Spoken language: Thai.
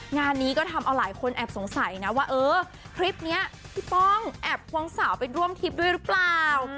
งานนี้ก็ทำเอาหลายคนแอบสงสัยนะว่าเออคลิปนี้พี่ป้องแอบควงสาวไปร่วมทริปด้วยหรือเปล่า